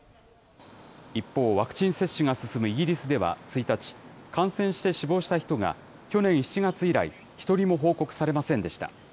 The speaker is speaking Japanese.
一方、ワクチン接種が進むイギリスでは１日、感染して死亡した人が去年７月以来、一人も報告されませんでした。